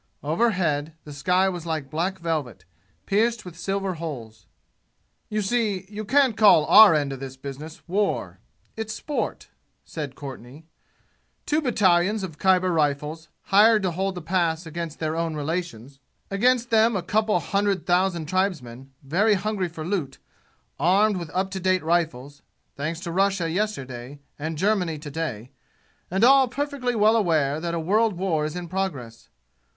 Overhead the sky was like black velvet, pierced with silver holes. "You see, you can't call our end of this business war it's sport," said Courtenay. "Two battalions of Khyber Rifles, hired to hold the Pass against their own relations. Against them a couple of hundred thousand tribesmen, very hungry for loot, armed with up to date rifles, thanks to Russia yesterday and Germany to day, and all perfectly well aware that a world war is in progress.